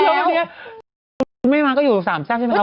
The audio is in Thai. นบ์มไปเติ้ลละเอาผ้านมหรือเปิดไปเลย